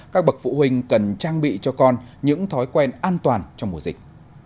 các bậc phụ huynh cần trang bị cho con những thói quen an toàn trong mùa dịch